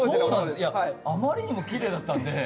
あまりにきれいだったんで。